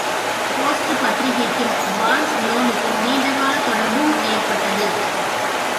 Post பத்திரிகைக்கும் வான் லோனுக்கும் நீண்ட காலத் தொடர்பும் ஏற்பட்டது.